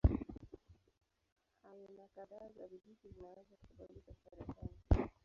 Aina kadhaa za virusi zinaweza kusababisha saratani.